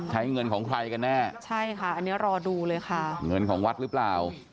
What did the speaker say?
ใช้เงินของใครกันแน่ใช่ค่ะอันนี้รอดูเลยค่ะเงินของวัดหรือเปล่า